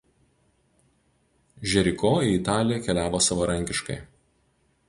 Žeriko į Italiją keliavo savarankiškai.